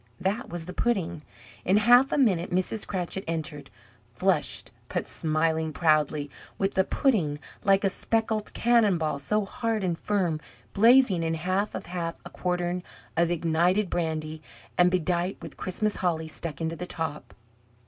That was the pudding! In half a minute Mrs. Cratchit entered flushed, but smiling proudly with the pudding, like a speckled cannon ball, so hard and firm, blazing in half of half a quartern of ignited brandy, and bedight with Christmas holly stuck into the top.